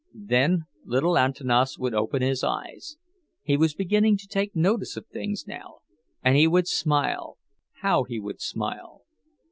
Then little Antanas would open his eyes—he was beginning to take notice of things now; and he would smile—how he would smile!